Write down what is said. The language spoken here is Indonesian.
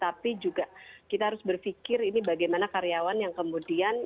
tapi juga kita harus berpikir ini bagaimana karyawan yang kemudian